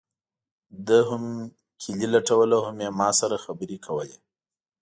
ده هم کیلي لټوله هم یې ما سره خبرې کولې.